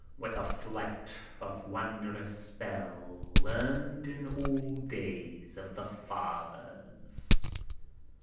With a flight of wondrous spell, Learned in old days of the fathers. THALES.